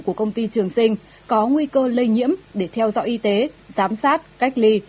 của công ty trường sinh có nguy cơ lây nhiễm để theo dõi y tế giám sát cách ly